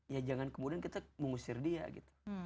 ya jangan kemudian kita mengusir dia gitu